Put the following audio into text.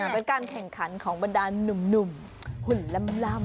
เป็นการแข่งขันของบรรดานหนุ่มหุ่นล่ำ